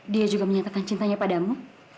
dia juga menyatakan cintanya padamu